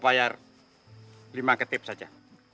bayar lima ketip saja